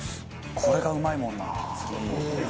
これがうまいもんな。